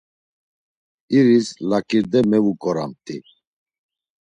İris laǩide mevuǩoramt̆i.